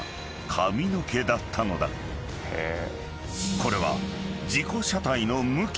［これは］